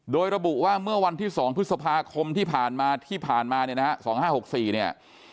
โดยระบุว่าเมื่อวันที่๒พฤษภาคมที่ผ่านมาที่ผ่านมาเนี่ยนะฮะ๒๕๖๔เนี่ย